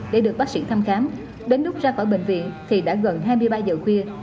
để được bác sĩ thăm khám đến lúc ra khỏi bệnh viện thì đã gần hai mươi ba giờ khuya